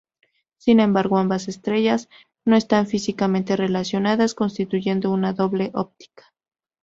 Sin embargo, ambas estrellas no están físicamente relacionadas, constituyendo una doble óptica.